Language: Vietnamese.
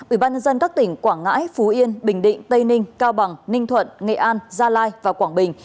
ủy ban nhân dân các tỉnh quảng ngãi phú yên bình định tây ninh cao bằng ninh thuận nghệ an gia lai và quảng bình